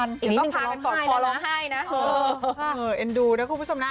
อันนี้มันก็ร้องไห้แล้วนะเอ็นดูนะคุณผู้ชมนะ